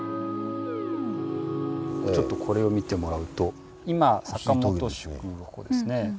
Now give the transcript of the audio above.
ちょっとこれを見てもらうと今坂本宿がここですね。